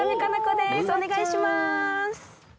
お願いします。